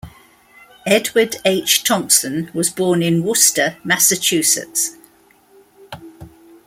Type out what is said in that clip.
Edward H. Thompson was born in Worcester, Massachusetts.